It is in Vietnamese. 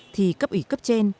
thì cấp ủy cấp trên